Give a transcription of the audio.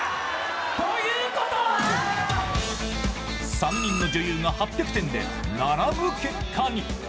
３人の女優が８００点で並ぶ結果に。